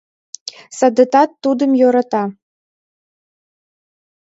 Садетат тудым йӧрата.